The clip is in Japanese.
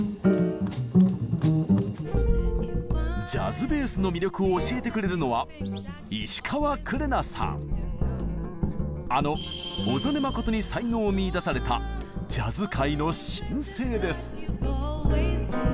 ジャズベースの魅力を教えてくれるのはあの小曽根真に才能を見いだされたジャズ界の新星です。